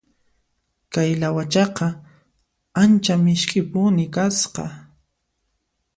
Kay lawachaqa ancha misk'ipuni kasqa.